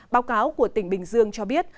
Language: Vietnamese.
báo cáo của tỉnh bình dương cho biết